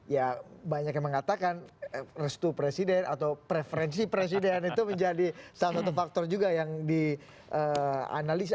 ya banyak yang mengatakan restu presiden atau preferensi presiden itu menjadi salah satu faktor juga yang dianalisa